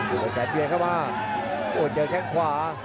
อีกแล้วแปดอย่างเข้ามาเจอแข็งขวา